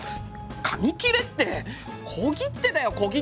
紙切れって小切手だよ小切手！